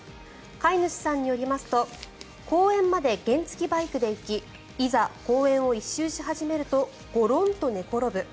飼い主さんによりますと公園まで原付きバイクで行きいざ、公園を１周し始めるとゴロンと寝転ぶ。